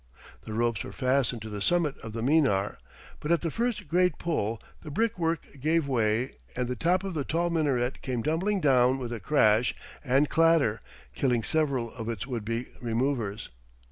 The ropes were fastened to the summit of the minar, but at the first great pull the brick work gave way and the top of the tall minaret came tumbling down with a crash and clatter, killing several of its would be removers.